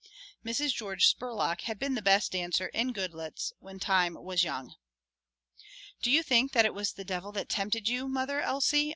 Mrs. George Spurlock had been the best dancer in Goodloets when time was young. "Do you think that it was the devil that tempted you, Mother Elsie?"